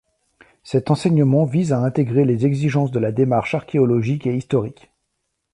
Cet enseignement vise à intégrer les exigences de la démarche archéologique et historique.